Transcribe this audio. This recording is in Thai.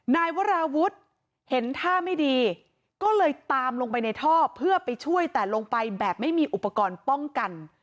นายวราวุฒิเห็นท่าไม่ดีก็เลยตามลงไปในท่อเพื่อไปช่วยแต่ลงไปแบบไม่มีอุปกรณ์ป้องกัน